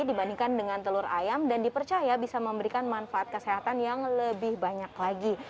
dibandingkan dengan telur ayam dan dipercaya bisa memberikan manfaat kesehatan yang lebih banyak lagi